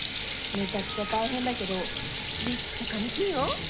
めちゃくちゃ大変だけどめっちゃ楽しいよ！